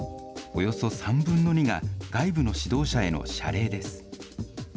およそ３分の２が外部の指導者への謝礼です。